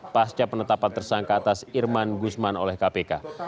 pasca penetapan tersangka atas irman gusman oleh kpk